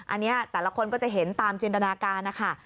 อันนี้แต่ละคนก็จะเห็นตามจินตนาการนะคะ